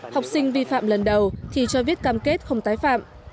học sinh vi phạm lần đầu thì cho viết cam kết không tái phạm